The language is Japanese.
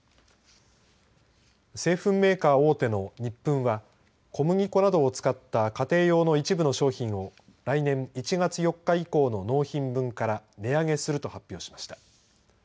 製粉メーカー大手のニップンは小麦粉などを使った家庭用の一部の商品を来年１月４日以降の納品分から値上げすると発表しました。